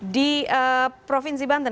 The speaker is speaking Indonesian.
di provinsi banten